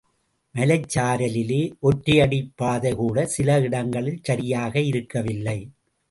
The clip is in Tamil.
மலைச்சாரலிலே ஒற்றையடிப் பாதைகூட சில இடங்களில் சரியாக இருக்கவில்லை.